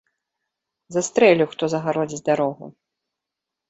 Застрэлю, хто загародзіць дарогу!